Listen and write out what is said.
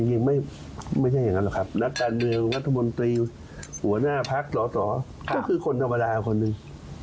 ต้องคือคนนาพาราคนหนึ่ง